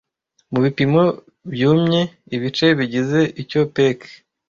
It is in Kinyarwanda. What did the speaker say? Mubipimo byumye ibice bigize icyo Peck